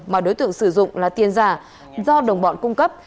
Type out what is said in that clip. mà đối tượng sử dụng là tiền giả do đồng bọn cung cấp